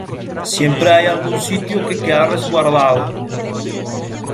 Siempre hay algún sitio que queda resguardado.